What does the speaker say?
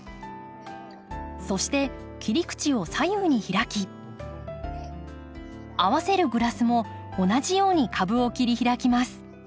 そして切り口を左右に開き合わせるグラスも同じように株を切り開きます。